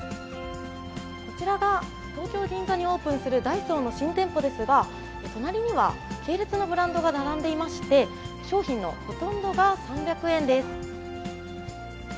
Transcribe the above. こちらが東京・銀座にオープンするダイソーの新店舗ですが、隣には、系列のブランドが並んでいまして、商品のほとんどが３００円です。